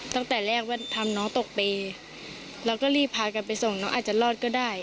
ตั้งแต่แรกว่าทำน้องตกเปย์เราก็รีบพากันไปส่งน้องอาจจะรอดก็ได้